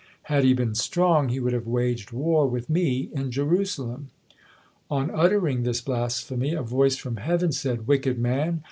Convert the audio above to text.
"Had he been strong, he would have waged war with me in Jerusalem." On uttering this blasphemy, a voice from heaven said, "Wicked man!